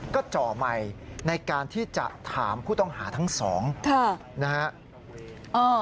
ก็จ่อใหม่ในการที่จะถามผู้ต้องหาทั้งสองนะฮะ